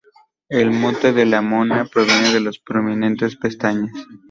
El mote de "La Mona", proviene de sus prominentes pestañas.